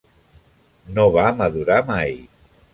No va madurar mai.